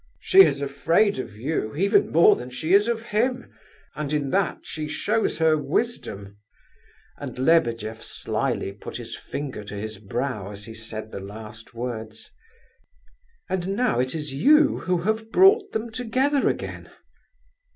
She is afraid of you, even more than she is of him, and in that she shows her wisdom!" And Lebedeff slily put his finger to his brow as he said the last words. "And now it is you who have brought them together again?"